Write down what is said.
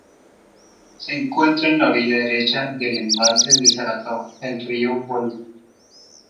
Se encuentra en la orilla derecha del embalse de Saratov el río Volga.